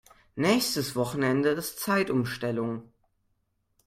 Nächstes Wochenende ist Zeitumstellung.